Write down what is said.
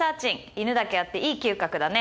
犬だけあっていい嗅覚だね